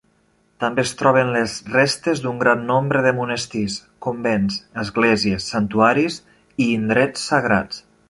També es troben les restes d'un gran nombre de monestirs, convents, esglésies, santuaris i indrets sagrats.